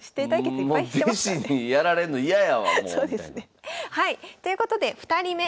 そうですねはいということで２人目。